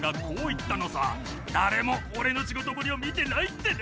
誰も俺の仕事ぶりを見てないってね。